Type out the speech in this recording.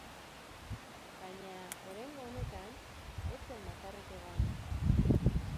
Baina, oraingo honetan, ez zen bakarrik egon.